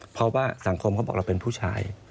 เพราะว่าสังคมเขาบอกเราเป็นผู้ชาย